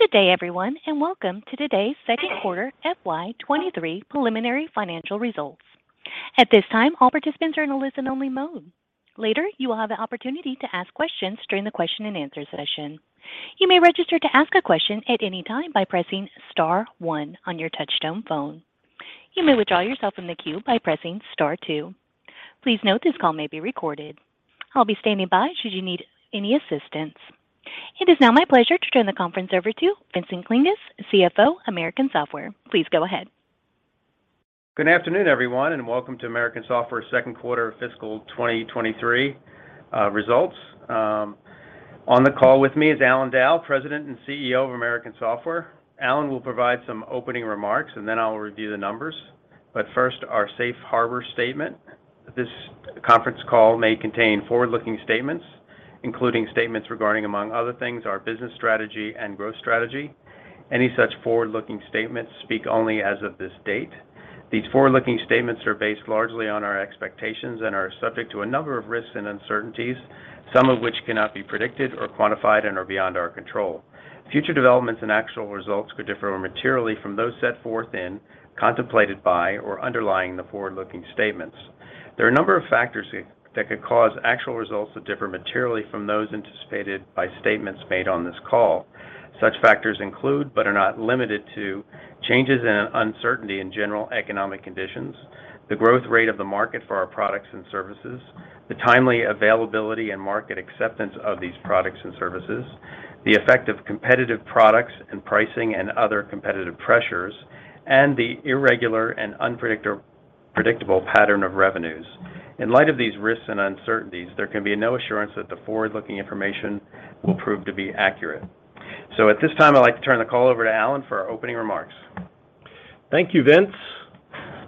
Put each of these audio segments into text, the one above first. Good day, everyone, and welcome to today's second quarter FY 2023 preliminary financial results. At this time, all participants are in a listen-only mode. Later, you will have the opportunity to ask questions during the question and answer session. You may register to ask a question at any time by pressing star one on your touchtone phone. You may withdraw yourself from the queue by pressing star two. Please note this call may be recorded. I'll be standing by should you need any assistance. It is now my pleasure to turn the conference over to Vincent Klinges, CFO, American Software. Please go ahead. Good afternoon, everyone, and welcome to American Software's second quarter fiscal 2023 results. On the call with me is H. Allan Dow, President and CEO of American Software. Allan will provide some opening remarks, and then I will review the numbers. First, our Safe Harbor statement. This conference call may contain forward-looking statements, including statements regarding, among other things, our business strategy and growth strategy. Any such forward-looking statements speak only as of this date. These forward-looking statements are based largely on our expectations and are subject to a number of risks and uncertainties, some of which cannot be predicted or quantified and are beyond our control. Future developments and actual results could differ more materially from those set forth in, contemplated by, or underlying the forward-looking statements. There are a number of factors that could cause actual results to differ materially from those anticipated by statements made on this call. Such factors include, but are not limited to, changes and uncertainty in general economic conditions, the growth rate of the market for our products and services, the timely availability and market acceptance of these products and services, the effect of competitive products and pricing and other competitive pressures, and the irregular and unpredictable pattern of revenues. In light of these risks and uncertainties, there can be no assurance that the forward-looking information will prove to be accurate. At this time, I'd like to turn the call over to Allan for our opening remarks. Thank you, Vince.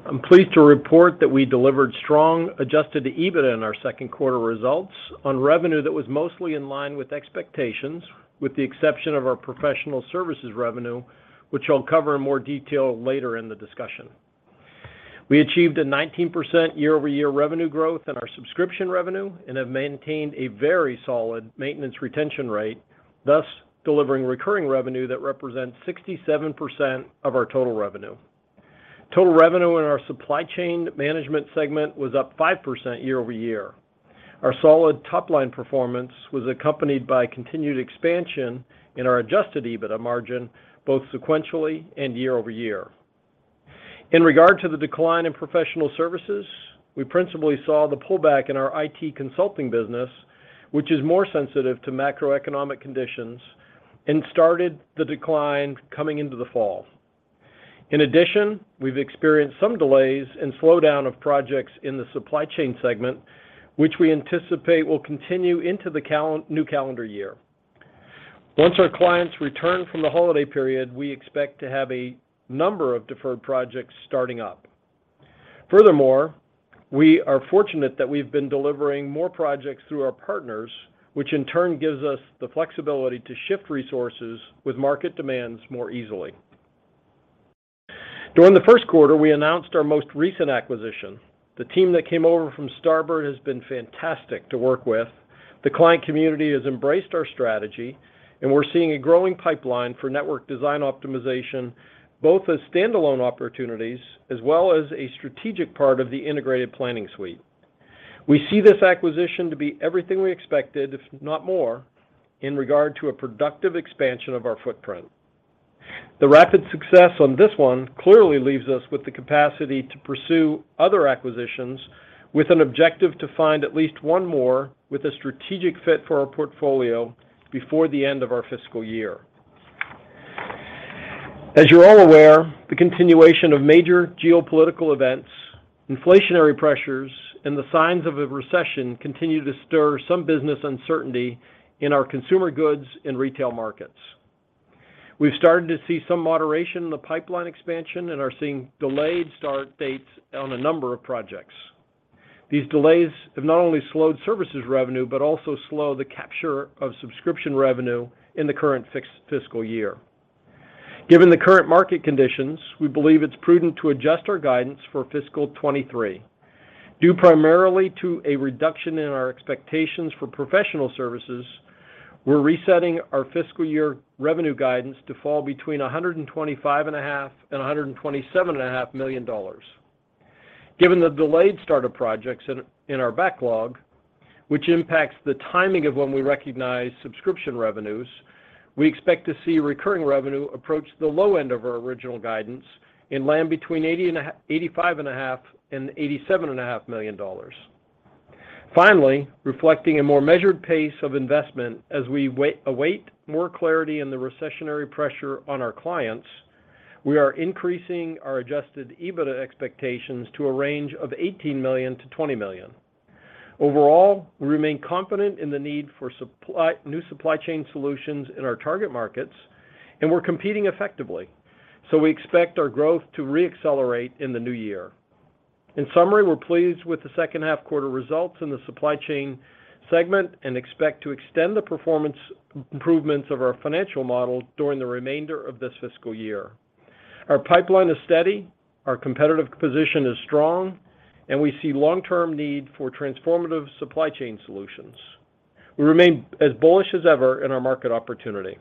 I'm pleased to report that we delivered strong adjusted EBITDA in our second quarter results on revenue that was mostly in line with expectations, with the exception of our professional services revenue, which I'll cover in more detail later in the discussion. We achieved 19% year-over-year revenue growth in our subscription revenue and have maintained a very solid maintenance retention rate, thus delivering recurring revenue that represents 67% of our total revenue. Total revenue in our supply chain management segment was up 5% year-over-year. Our solid top-line performance was accompanied by continued expansion in our adjusted EBITDA margin, both sequentially and year-over-year. In regard to the decline in professional services, we principally saw the pullback in our IT consulting business, which is more sensitive to macroeconomic conditions and started the decline coming into the fall. In addition, we've experienced some delays and slowdown of projects in the supply chain segment, which we anticipate will continue into the new calendar year. Once our clients return from the holiday period, we expect to have a number of deferred projects starting up. Furthermore, we are fortunate that we've been delivering more projects through our partners, which in turn gives us the flexibility to shift resources with market demands more easily. During the first quarter, we announced our most recent acquisition. The team that came over from Starboard has been fantastic to work with. The client community has embraced our strategy, and we're seeing a growing pipeline for Network Design Optimization, both as standalone opportunities as well as a strategic part of the integrated planning suite. We see this acquisition to be everything we expected, if not more, in regard to a productive expansion of our footprint. The rapid success on this one clearly leaves us with the capacity to pursue other acquisitions with an objective to find at least one more with a strategic fit for our portfolio before the end of our fiscal year. As you're all aware, the continuation of major geopolitical events, inflationary pressures, and the signs of a recession continue to stir some business uncertainty in our consumer goods and retail markets. We've started to see some moderation in the pipeline expansion and are seeing delayed start dates on a number of projects. These delays have not only slowed services revenue, but also slow the capture of subscription revenue in the current fiscal year. Given the current market conditions, we believe it's prudent to adjust our guidance for fiscal 2023. Due primarily to a reduction in our expectations for professional services, we're resetting our fiscal year revenue guidance to fall between $125.5 million and $127.5 million. Given the delayed start of projects in our backlog, which impacts the timing of when we recognize subscription revenues, we expect to see recurring revenue approach the low end of our original guidance and land between $85.5 million and $87.5 million. Finally, reflecting a more measured pace of investment as we await more clarity in the recessionary pressure on our clients, we are increasing our adjusted EBITDA expectations to a range of $18 million-$20 million. Overall, we remain confident in the need for new supply chain solutions in our target markets, and we're competing effectively. We expect our growth to re-accelerate in the new year. In summary, we're pleased with the second half quarter results in the supply chain segment and expect to extend the performance improvements of our financial model during the remainder of this fiscal year. Our pipeline is steady, our competitive position is strong, and we see long-term need for transformative supply chain solutions. We remain as bullish as ever in our market opportunity.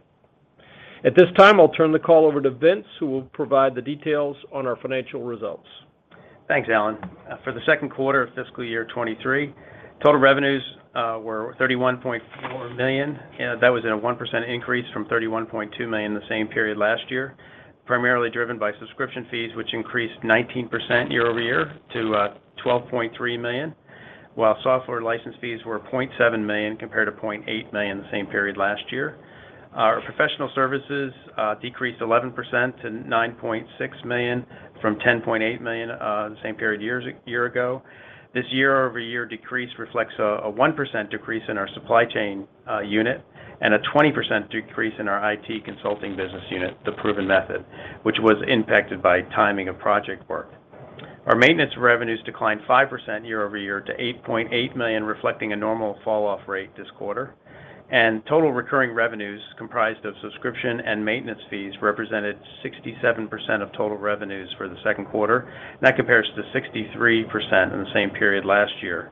At this time, I'll turn the call over to Vince, who will provide the details on our financial results. Thanks, Allan. For the second quarter of fiscal year 2023, total revenues were $31.4 million. That was a 1% increase from $31.2 million the same period last year, primarily driven by subscription fees, which increased 19% year-over-year to $12.3 million, while software license fees were $0.7 million compared to $0.8 million the same period last year. Our professional services decreased 11% to $9.6 million from $10.8 million the same period a year ago. This year-over-year decrease reflects a 1% decrease in our supply chain unit and a 20% decrease in our IT consulting business unit, The Proven Method, which was impacted by timing of project work. Our maintenance revenues declined 5% year-over-year to $8.8 million, reflecting a normal fall-off rate this quarter. Total recurring revenues comprised of subscription and maintenance fees represented 67% of total revenues for the second quarter, and that compares to 63% in the same period last year.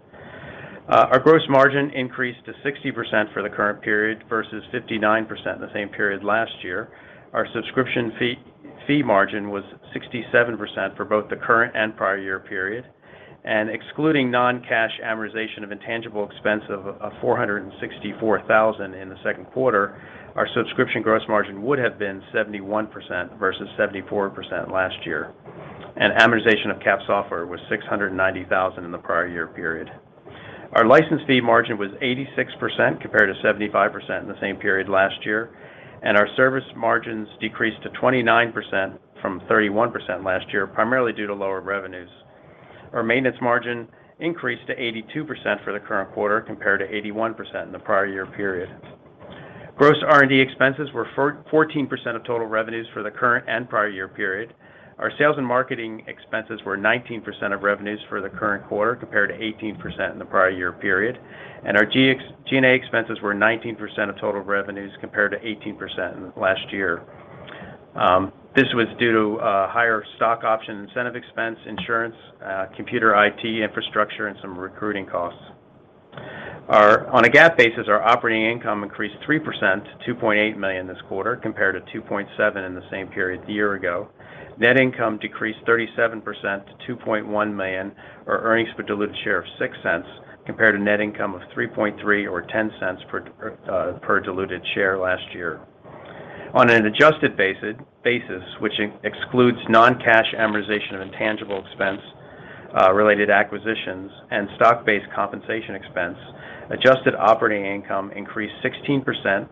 Our gross margin increased to 60% for the current period versus 59% in the same period last year. Our subscription fee margin was 67% for both the current and prior year period. Excluding non-cash amortization of intangible expense of $464,000 in the second quarter, our subscription gross margin would have been 71% versus 74% last year. Amortization of capitalized software was $690,000 in the prior year period. Our license fee margin was 86% compared to 75% in the same period last year, and our service margins decreased to 29% from 31% last year, primarily due to lower revenues. Our maintenance margin increased to 82% for the current quarter compared to 81% in the prior year period. Gross R&D expenses were 14% of total revenues for the current and prior year period. Our sales and marketing expenses were 19% of revenues for the current quarter compared to 18% in the prior year period. Our G&A expenses were 19% of total revenues compared to 18% in last year. This was due to higher stock option incentive expense, insurance, computer IT infrastructure, and some recruiting costs. On a GAAP basis, our operating income increased 3% to $2.8 million this quarter compared to $2.7 million in the same period a year ago. Net income decreased 37% to $2.1 million, or earnings per diluted share of $0.06 compared to net income of $3.3 million or $0.10 per diluted share last year. On an adjusted basis, which excludes non-cash amortization of intangible expense related acquisitions and stock-based compensation expense, adjusted operating income increased 16%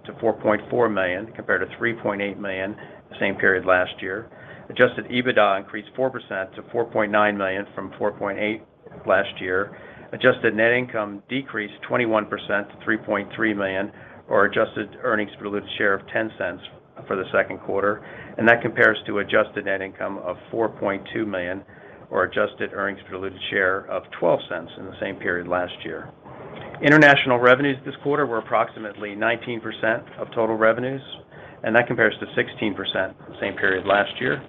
to $4.4 million compared to $3.8 million the same period last year. Adjusted EBITDA increased 4% to $4.9 million from $4.8 million last year. Adjusted net income decreased 21% to $3.3 million or adjusted earnings per diluted share of $0.10 for the second quarter. That compares to adjusted net income of $4.2 million or adjusted earnings per diluted share of $0.12 in the same period last year. International revenues this quarter were approximately 19% of total revenues, and that compares to 16% the same period last year.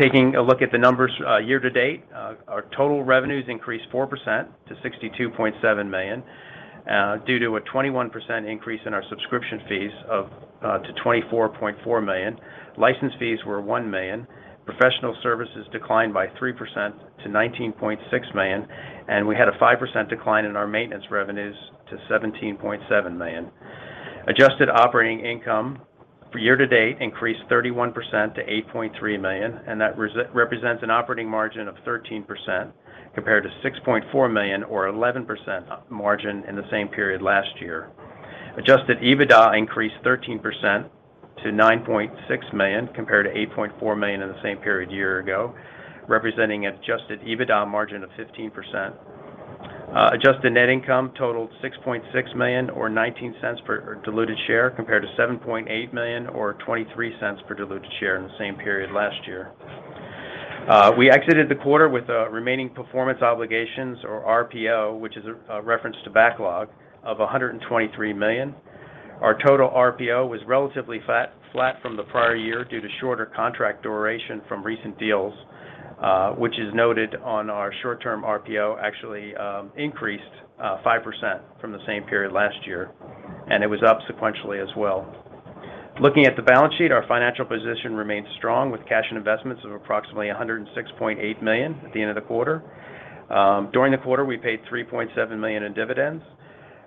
Taking a look at the numbers year to date, our total revenues increased 4% to $62.7 million due to a 21% increase in our subscription fees to $24.4 million. License fees were $1 million. Professional services declined by 3% to $19.6 million, and we had a 5% decline in our maintenance revenues to $17.7 million. Adjusted operating income for year-to-date increased 31% to $8.3 million, and that represents an operating margin of 13% compared to $6.4 million or 11% margin in the same period last year. Adjusted EBITDA increased 13% to $9.6 million compared to $8.4 million in the same period a year ago, representing adjusted EBITDA margin of 15%. Adjusted net income totaled $6.6 million or $0.19 per diluted share compared to $7.8 million or $0.23 per diluted share in the same period last year. We exited the quarter with a Remaining Performance Obligations or RPO, which is a reference to backlog of $123 million. Our total RPO was relatively flat from the prior year due to shorter contract duration from recent deals, which is noted on our short-term RPO actually increased 5% from the same period last year, and it was up sequentially as well. Looking at the balance sheet, our financial position remains strong with cash and investments of approximately $106.8 million at the end of the quarter. During the quarter, we paid $3.7 million in dividends.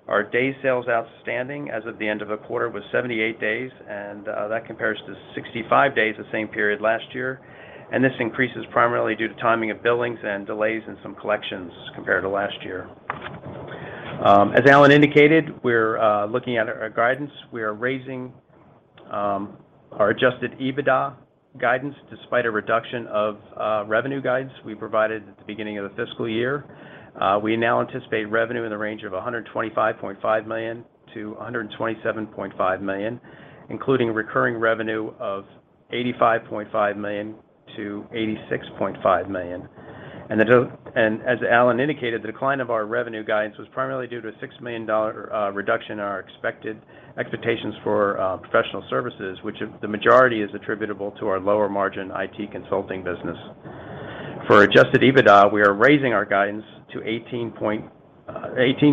Our Days Sales Outstanding as of the end of the quarter was 78 days, and that compares to 65 days the same period last year. This increase is primarily due to timing of billings and delays in some collections compared to last year. As Allan indicated, we're looking at our guidance. We are raising our adjusted EBITDA guidance despite a reduction of revenue guides we provided at the beginning of the fiscal year. We now anticipate revenue in the range of $125.5 million-$127.5 million, including recurring revenue of $85.5 million-$86.5 million. As Allan indicated, the decline of our revenue guidance was primarily due to a $6 million reduction in our expectations for professional services. The majority is attributable to our lower margin ITconsulting business. For adjusted EBITDA, we are raising our guidance to $18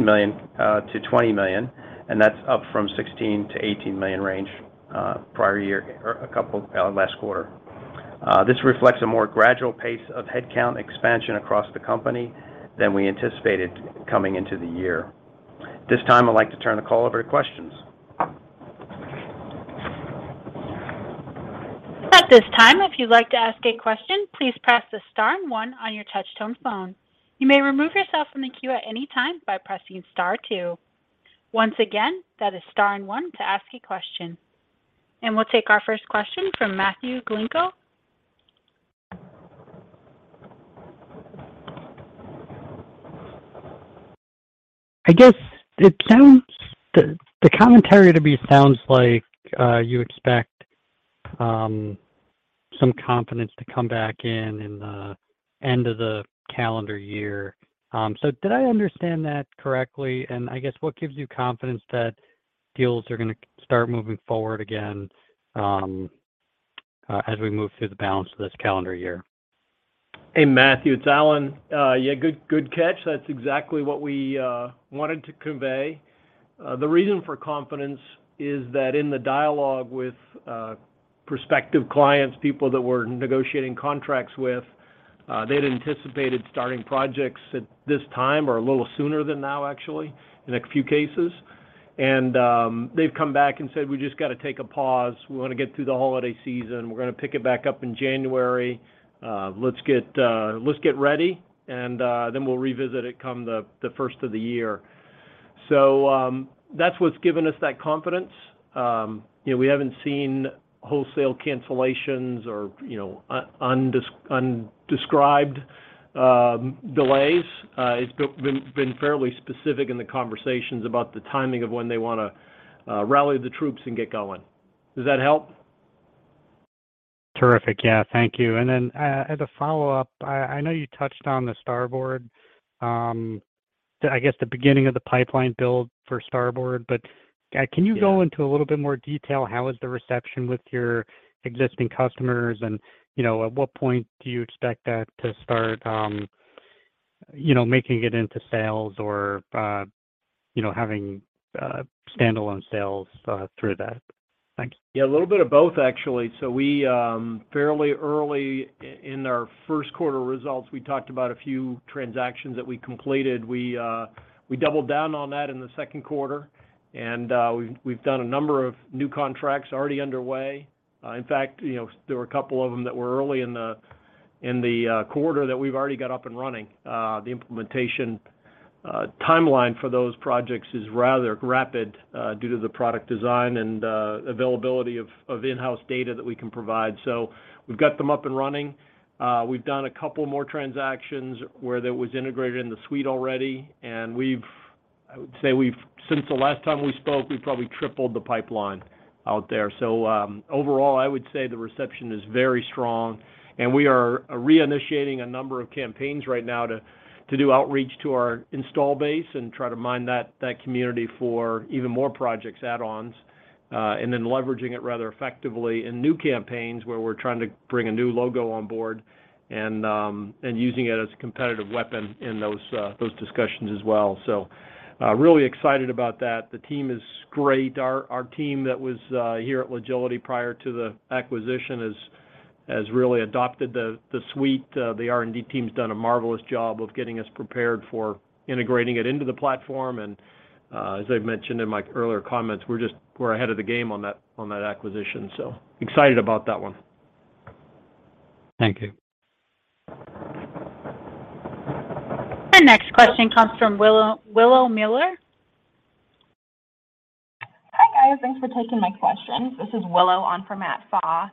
million-$20 million, and that's up from $16 million-$18 million range prior year or last quarter. This reflects a more gradual pace of headcount expansion across the company than we anticipated coming into the year. At this time, I'd like to turn the call over to questions. At this time, if you'd like to ask a question, please press the star and one on your touchtone phone. You may remove yourself from the queue at any time by pressing star two. Once again, that is star and one to ask a question. We'll take our first question from Matthew Galinko. The commentary to me sounds like you expect some confidence to come back in the end of the calendar year. Did I understand that correctly? I guess what gives you confidence that deals are gonna start moving forward again as we move through the balance of this calendar year? Hey, Matthew, it's Allan. Yeah, good catch. That's exactly what we wanted to convey. The reason for confidence is that in the dialogue with prospective clients, people that we're negotiating contracts with, they'd anticipated starting projects at this time or a little sooner than now, actually, in a few cases. They've come back and said, "We just got to take a pause. We wanna get through the holiday season. We're gonna pick it back up in January. Let's get ready, and then we'll revisit it come the first of the year." That's what's given us that confidence. You know, we haven't seen wholesale cancellations or, you know, undescribed delays. It's been fairly specific in the conversations about the timing of when they wanna rally the troops and get going. Does that help? Terrific. Yeah. Thank you. And then, uh, as a follow-up, I know you touched on the Starboard, um, the-- I guess the beginning of the pipeline build for Starboard. But, uh- Yeah. Can you go into a little bit more detail, how is the reception with your existing customers? You know, at what point do you expect that to start, you know, making it into sales or, you know, having standalone sales through that? Thank you. Yeah. A little bit of both, actually. Fairly early in our first quarter results, we talked about a few transactions that we completed. We doubled down on that in the second quarter, and we've done a number of new contracts already underway. In fact, you know, there were a couple of them that were early in the quarter that we've already got up and running. The implementation timeline for those projects is rather rapid due to the product design and availability of in-house data that we can provide. We've got them up and running. We've done a couple more transactions where that was integrated in the suite already. I would say since the last time we spoke, we've probably tripled the pipeline out there. Overall, I would say the reception is very strong. We are reinitiating a number of campaigns right now to do outreach to our install base and try to mine that community for even more projects, add-ons, and then leveraging it rather effectively in new campaigns where we're trying to bring a new logo on board and using it as a competitive weapon in those discussions as well. Really excited about that. The team is great. Our team that was here at Logility prior to the acquisition has really adopted the suite. The R&D team's done a marvelous job of getting us prepared for integrating it into the platform. As I've mentioned in my earlier comments, we're ahead of the game on that acquisition, so excited about that one. Thank you. Our next question comes from Willow Miller. Hi, guys. Thanks for taking my questions. This is Willow on for Matt Farah.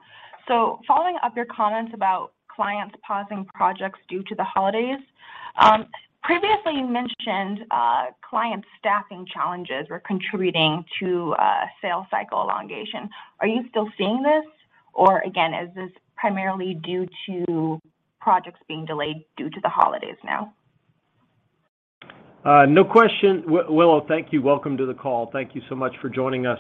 Following up your comments about clients pausing projects due to the holidays, previously you mentioned client staffing challenges were contributing to sales cycle elongation. Are you still seeing this? Again, is this primarily due to projects being delayed due to the holidays now? No question. Willow, thank you. Welcome to the call. Thank you so much for joining us.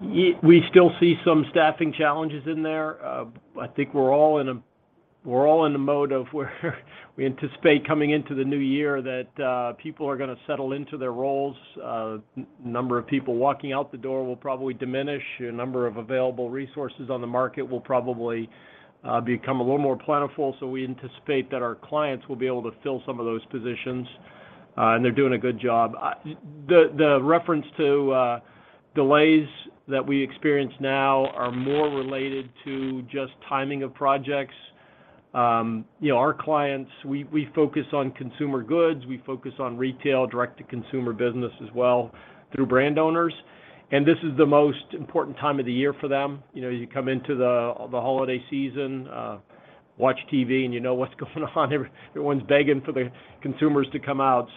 We still see some staffing challenges in there. I think we're all in a mode of where we anticipate coming into the new year that people are gonna settle into their roles. Number of people walking out the door will probably diminish. A number of available resources on the market will probably become a little more plentiful. We anticipate that our clients will be able to fill some of those positions, and they're doing a good job. The reference to delays that we experience now are more related to just timing of projects. You know, our clients, we focus on consumer goods, we focus on retail, direct-to-consumer business as well through brand owners, and this is the most important time of the year for them. You know, you come into the holiday season, watch TV, and you know what's going on. Everyone's begging for the consumers to come out.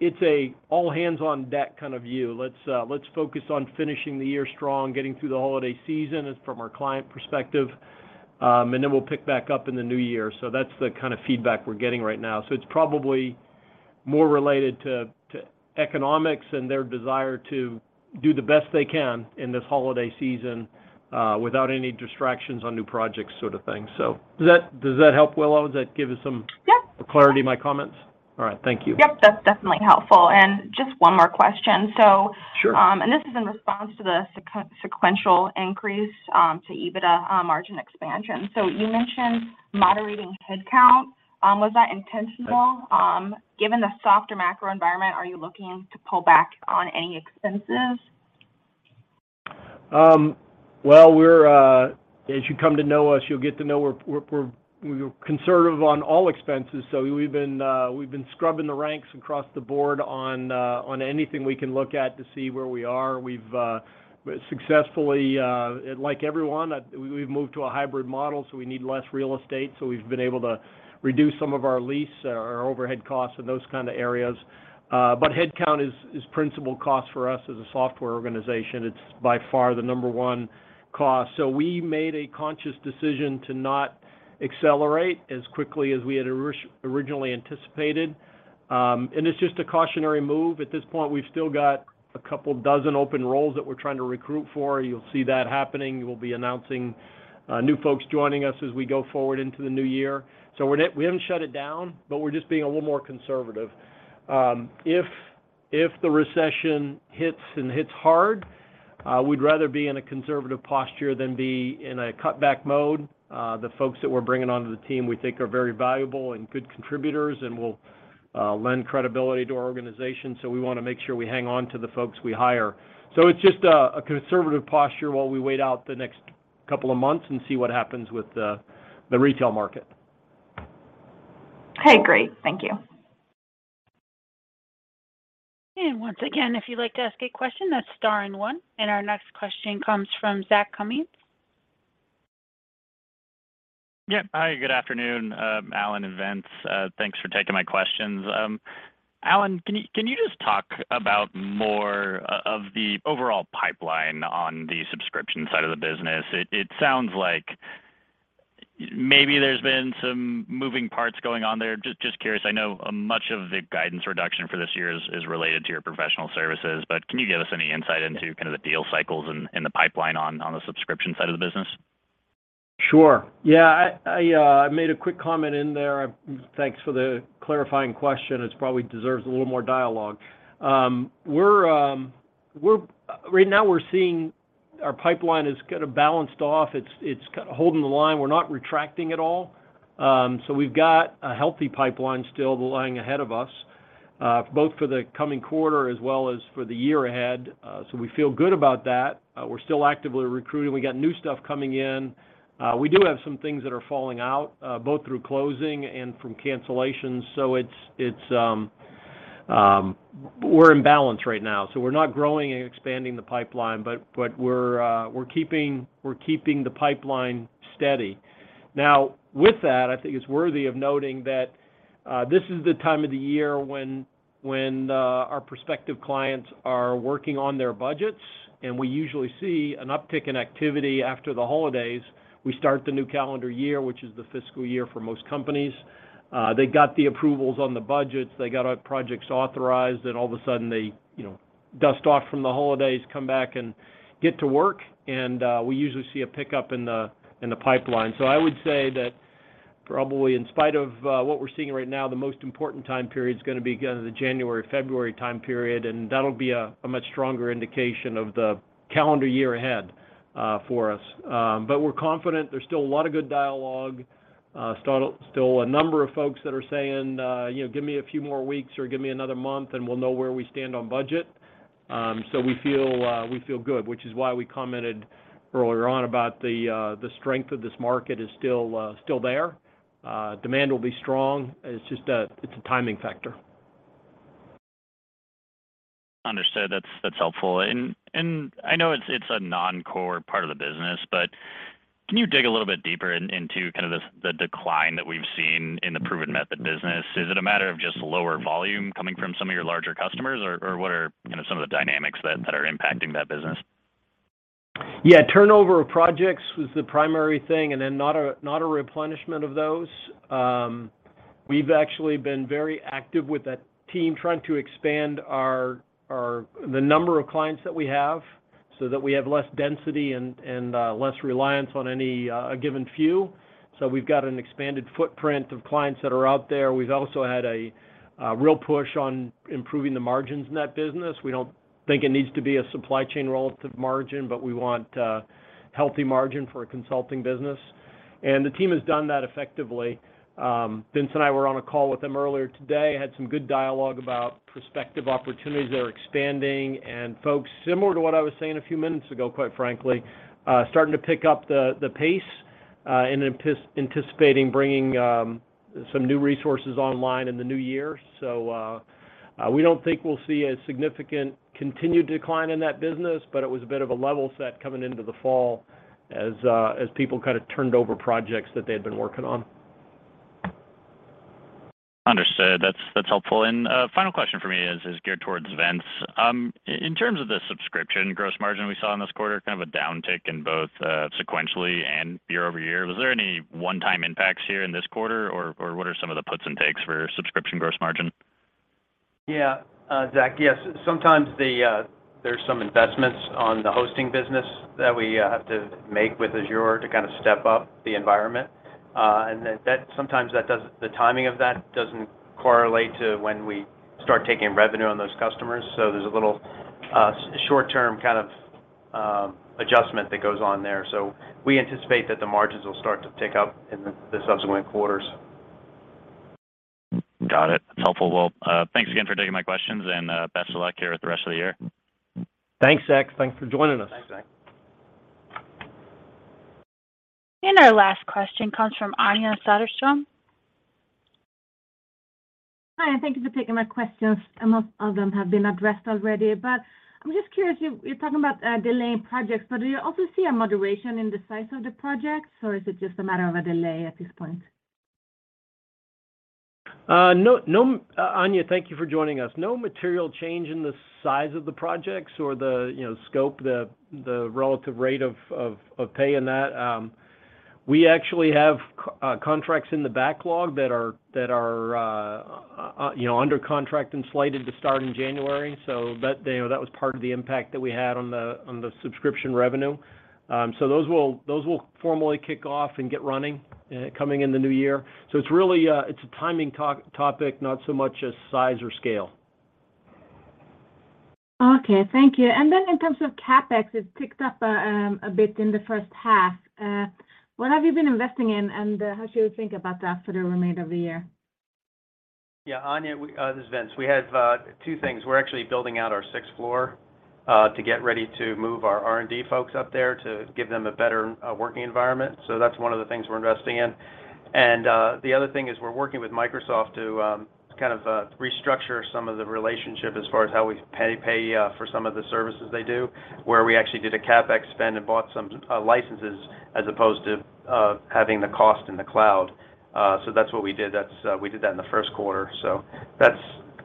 It's an all hands on deck kind of view. Let's focus on finishing the year strong, getting through the holiday season is from our client perspective, and then we'll pick back up in the new year. That's the kind of feedback we're getting right now. It's probably more related to economics and their desire to do the best they can in this holiday season, without any distractions on new projects sort of thing. Does that help, Willow? Does that give you some? Yep Clarity in my comments? All right. Thank you. Yep. That's definitely helpful. Just one more question. Sure This is in response to the sequential increase to EBITDA margin expansion. You mentioned moderating headcount. Was that intentional? Given the softer macro environment, are you looking to pull back on any expenses? Well, as you come to know us, you'll get to know we're conservative on all expenses. We've been scrubbing the ranks across the board on anything we can look at to see where we are. Like everyone, we've moved to a hybrid model, so we need less real estate, so we've been able to reduce some of our lease, our overhead costs in those kind of areas. Headcount is principal cost for us as a software organization. It's by far the number one cost. We made a conscious decision to not accelerate as quickly as we had originally anticipated. It's just a cautionary move. At this point, we've still got a couple dozen open roles that we're trying to recruit for. You'll see that happening. We'll be announcing new folks joining us as we go forward into the new year. We haven't shut it down, but we're just being a little more conservative. If the recession hits and hits hard, we'd rather be in a conservative posture than be in a cutback mode. The folks that we're bringing onto the team we think are very valuable and good contributors and will lend credibility to our organization. We wanna make sure we hang on to the folks we hire. It's just a conservative posture while we wait out the next couple of months and see what happens with the retail market. Okay. Great. Thank you. Once again, if you'd like to ask a question, that's star and one. Our next question comes from Zach Cummins. Yeah. Hi, good afternoon, Allan and Vince. Thanks for taking my questions. Allan, can you just talk about more of the overall pipeline on the subscription side of the business? It sounds like maybe there's been some moving parts going on there. Just curious. I know much of the guidance reduction for this year is related to your professional services, but can you give us any insight into kind of the deal cycles and the pipeline on the subscription side of the business? Sure. Yeah. I made a quick comment in there. Thanks for the clarifying question. It probably deserves a little more dialogue. Right now we're seeing our pipeline is kind of balanced off. It's kind of holding the line. We're not retracting at all. We've got a healthy pipeline still lying ahead of us, both for the coming quarter as well as for the year ahead. We feel good about that. We're still actively recruiting. We got new stuff coming in. We do have some things that are falling out, both through closing and from cancellations, so we're in balance right now. We're not growing and expanding the pipeline, but we're keeping the pipeline steady. Now, with that, I think it's worthy of noting that this is the time of the year when our prospective clients are working on their budgets, and we usually see an uptick in activity after the holidays. We start the new calendar year, which is the fiscal year for most companies. They got the approvals on the budgets, they got our projects authorized, and all of a sudden they, you know, dust off from the holidays, come back and get to work, and we usually see a pickup in the pipeline. I would say that probably in spite of what we're seeing right now, the most important time period is gonna be kind of the January-February time period, and that'll be a much stronger indication of the calendar year ahead for us. Um, but we're confident there's still a lot of good dialogue. Uh, st-still a number of folks that are saying, uh, you know, "Give me a few more weeks or give me another month, and we'll know where we stand on budget." Um, so we feel, uh, we feel good, which is why we commented earlier on about the, uh, the strength of this market is still, uh, still there. Uh, demand will be strong. It's just a, it's a timing factor. Understood. That's helpful. I know it's a non-core part of the business, but can you dig a little bit deeper into kind of the decline that we've seen in The Proven Method business? Is it a matter of just lower volume coming from some of your larger customers, or what are, kind of, some of the dynamics that are impacting that business? Yeah, turnover of projects was the primary thing, and then not a replenishment of those. We've actually been very active with that team trying to expand the number of clients that we have so that we have less density and less reliance on a given few. We've got an expanded footprint of clients that are out there. We've also had a real push on improving the margins in that business. We don't think it needs to be a supply chain relative margin, but we want a healthy margin for a consulting business. The team has done that effectively. Vince and I were on a call with them earlier today, had some good dialogue about prospective opportunities that are expanding and folks, similar to what I was saying a few minutes ago, quite frankly, starting to pick up the pace and anticipating bringing some new resources online in the new year. We don't think we'll see a significant continued decline in that business, but it was a bit of a level set coming into the fall as people kind of turned over projects that they had been working on. Understood. That's helpful. Final question for me is geared towards Vince. In terms of the subscription gross margin we saw in this quarter, kind of a downtick in both sequentially and year-over-year, was there any one-time impacts here in this quarter, or what are some of the puts and takes for subscription gross margin? Yeah, Zach, yes. Sometimes there's some investments on the hosting business that we have to make with Azure to kind of step up the environment. The timing of that doesn't correlate to when we start taking revenue on those customers. There's a little short-term kind of adjustment that goes on there. We anticipate that the margins will start to tick up in the subsequent quarters. Got it. That's helpful. Well, thanks again for taking my questions, and best of luck here with the rest of the year. Thanks, Zach. Thanks for joining us. Thanks, Zach. Our last question comes from Anja Soderstrom. Hi, thank you for taking my questions. Most of them have been addressed already, but I'm just curious. You're talking about delaying projects, but do you also see a moderation in the size of the projects, or is it just a matter of a delay at this point? No, Anja, thank you for joining us. No material change in the size of the projects or the, you know, scope, the relative rate of pay in that. We actually have contracts in the backlog that are, you know, under contract and slated to start in January. That, you know, was part of the impact that we had on the subscription revenue. Those will formally kick off and get running, coming in the new year. It's really a timing topic, not so much a size or scale. Okay, thank you. In terms of CapEx, it's ticked up a bit in the first half. What have you been investing in, and how should we think about that for the remainder of the year? Yeah, Anja, this is Vince. We have two things. We're actually building out our sixth floor to get ready to move our R&D folks up there to give them a better working environment. That's one of the things we're investing in. The other thing is we're working with Microsoft to kind of restructure some of the relationship as far as how we pay for some of the services they do, where we actually did a CapEx spend and bought some licenses as opposed to having the cost in the cloud. That's what we did. We did that in the first quarter.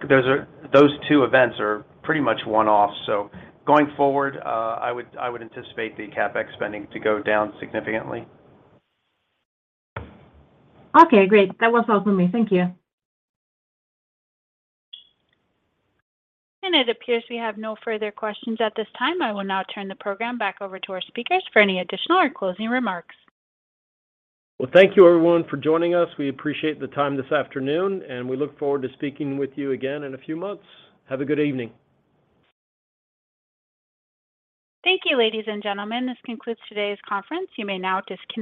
Those two events are pretty much one-offs. Going forward, I would anticipate the CapEx spending to go down significantly. Okay, great. That was all for me. Thank you. It appears we have no further questions at this time. I will now turn the program back over to our speakers for any additional or closing remarks. Well, thank you everyone for joining us. We appreciate the time this afternoon, and we look forward to speaking with you again in a few months. Have a good evening. Thank you, ladies and gentlemen. This concludes today's conference. You may now disconnect.